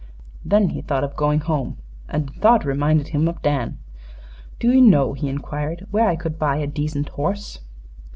Then he thought of going home, and the thought reminded him of Dan. "Do you know," he inquired, "where I could buy a decent horse?"